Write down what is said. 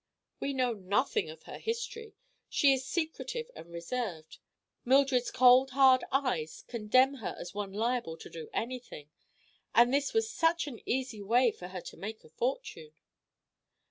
"We know nothing of her history. She is secretive and reserved. Mildred's cold, hard eyes condemn her as one liable to do anything. And this was such an easy way for her to make a fortune."